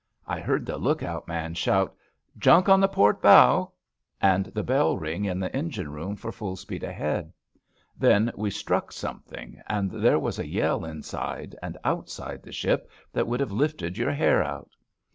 I heard the look out man shout, * Junk on the port bow,' and the bell ring in the engine room for full speed ahead. Then we struck something, and there was a yell inside and outside the ship that iwould have lifted your hair out.